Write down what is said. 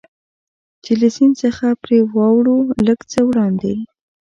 چې له سیند څخه پرې واوړو، لږ څه وړاندې.